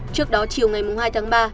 trước đó chiều ngày hai tháng ba